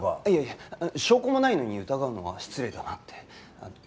いえいえ証拠もないのに疑うのは失礼だなって。